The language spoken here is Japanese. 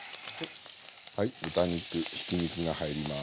はい豚肉ひき肉が入ります。